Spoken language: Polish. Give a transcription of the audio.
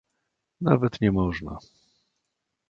"Nawet nie można."